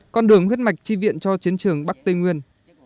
còn đường huyết mạch chi viện cho chiến trường bắc tây nguyên